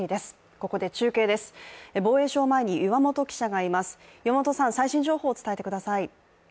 ここで中継です、防衛省前に岩本記者がいます。